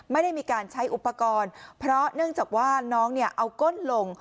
ไม่ได้มีการใช้อุปกรณ์เพราะเนื่องจากว่าน้องเนี่ยเอาก้นลง